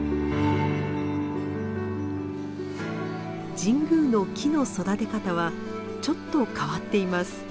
神宮の木の育て方はちょっと変わっています。